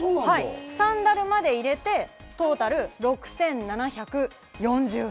サンダルまで入れてトータル６７４０円。